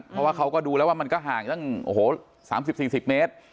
เพราะว่าเขาก็ดูแล้วว่ามันก็ห่างตั้ง๓๐๔๐เมตร